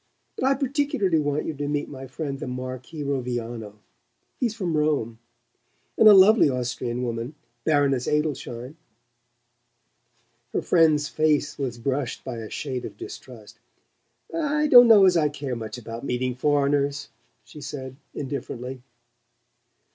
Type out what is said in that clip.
But I particularly want you to meet my friend the Marquis Roviano he's from Rome; and a lovely Austrian woman, Baroness Adelschein." Her friend's face was brushed by a shade of distrust. "I don't know as I care much about meeting foreigners," she said indifferently.